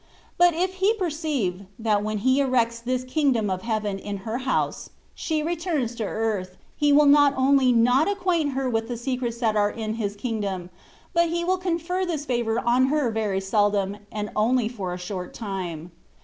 But if He perceive, that when He erects this ^^ kingdom of heaven^' in her house, she returns to the earth. He will not only mt acquaint her with the secrets that are in His kingdom, but He will confer this favour on her very seldom, and only for a short time.